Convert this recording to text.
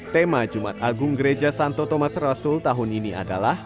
tema jumat agung gereja santo thomas rasul tahun ini adalah